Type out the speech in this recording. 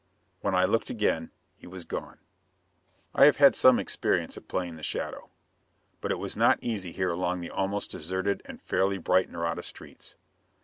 When I looked again, he was gone. I have had some experience at playing the shadow. But it was not easy here along the almost deserted and fairly bright Nareda streets.